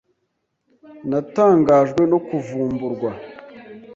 Natangajwe no kuvumburwa.